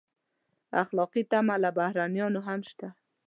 اخلاقي تمه له بهرنیانو هم شته.